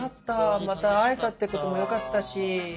また会えたってこともよかったし。